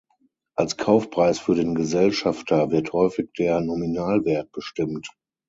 Als Kaufpreis für den Gesellschafter wird häufig der Nominalwert bestimmt.